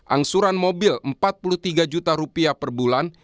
angsuran mobil empat puluh tiga juta rupiah per bulan